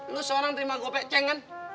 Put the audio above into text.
lu seorang terima gope ceng kan